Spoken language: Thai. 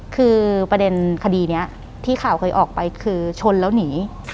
คือประเด็นคดีนี้ที่ข่าวเคยออกไปคือชนแล้วหนี